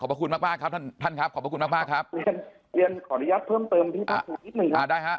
ขอบคุณมากครับท่านครับขอร้อยยัดเพิ่มเติมพี่ต้องชูอ๊อฟนิดนึงครับ